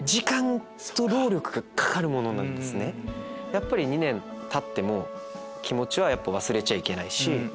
やっぱり２年たっても気持ちは忘れちゃいけないし。